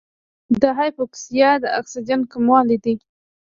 د هایپوکسیا د اکسیجن کموالی دی.